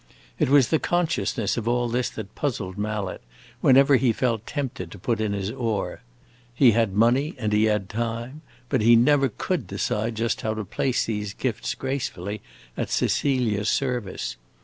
It was the consciousness of all this that puzzled Mallet whenever he felt tempted to put in his oar. He had money and he had time, but he never could decide just how to place these gifts gracefully at Cecilia's service.